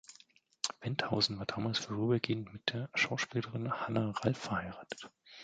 Wendhausen war damals vorübergehend mit der Schauspielerin Hanna Ralph verheiratet.